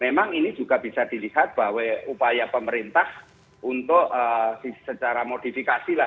memang ini juga bisa dilihat bahwa upaya pemerintah untuk secara modifikasi lah